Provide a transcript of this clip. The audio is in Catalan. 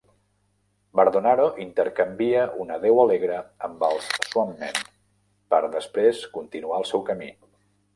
Bardonaro intercanvia un adéu alegre amb els Swampmen, per després continuar el seu camí.